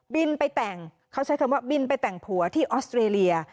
ไปแต่งเขาใช้คำว่าบินไปแต่งผัวที่ออสเตรเลีย